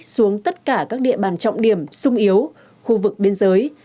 xuống tất cả các địa bàn trọng điểm sung yếu khu vực biên giới